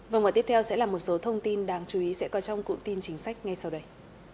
vâng và tiếp theo sẽ là một số thông tin đáng chú ý sẽ có trong cụm tin chính sách ngay sau đây